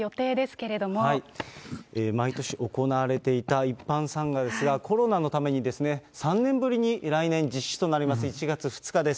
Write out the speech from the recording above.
けれ毎年行われていた一般参賀ですが、コロナのために、３年ぶりに来年実施となります、１月２日です。